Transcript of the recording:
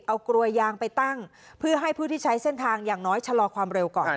เอากลวยยางไปตั้งเพื่อให้ผู้ที่ใช้เส้นทางอย่างน้อยชะลอความเร็วก่อน